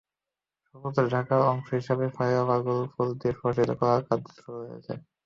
সবুজ ঢাকার অংশ হিসেবে ফ্লাইওভারগুলো ফুল দিয়ে সুশোভিত করার কাজ শুরু হয়েছে।